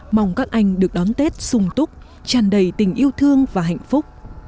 mong các anh được đón tết sung túc tràn đầy tình yêu thương và hạnh phúc